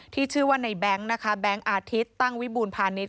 ที่ชื่อว่าในแบงค์นะคะแบงค์อาทิตย์ตั้งวิบูรพาณิชย